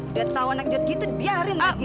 udah tahu anak idiot gitu diariin lagi